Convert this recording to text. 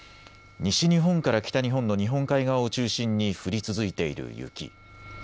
西日本から北日本の日本海側を中心に降り続いている雪。